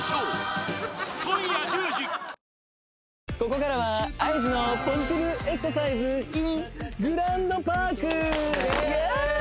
ここからはＩＧのポジティブエクササイズｉｎグランドパークイエス！